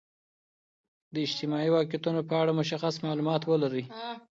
د اجتماعي واقعیتونو په اړه مشخص معلومات ولرئ.